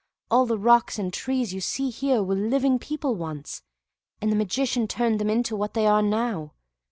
All the rocks and trees you see here were living people once, and the Magician turned them to what they now are.